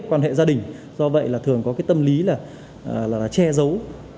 quan hệ gia đình do vậy là thường có cái tâm lý là che giấu